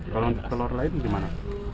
kalau untuk telur lain gimana